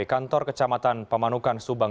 kantor kecamatan pamanukan subang